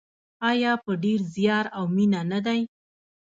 آیا په ډیر زیار او مینه نه دی؟